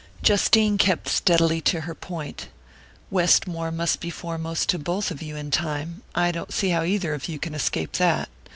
Justine kept steadily to her point. "Westmore must be foremost to both of you in time; I don't see how either of you can escape that.